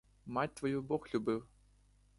Мать твою бог любив!